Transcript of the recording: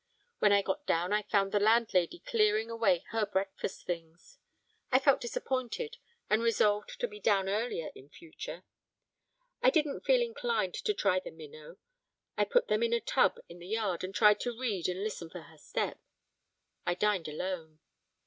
When I got down I found the landlady clearing away her breakfast things. I felt disappointed and resolved to be down earlier in future. I didn't feel inclined to try the minnow. I put them in a tub in the yard and tried to read and listen for her step. I dined alone.